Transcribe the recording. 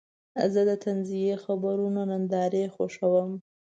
زه د طنزي خپرونو نندارې خوښوم.